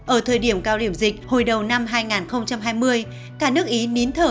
ở thời điểm cao điểm dịch hồi đầu năm hai nghìn hai mươi cả nước ý nín thở